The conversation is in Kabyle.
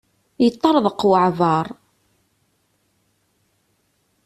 Yeṭṭerḍeq waɛbar.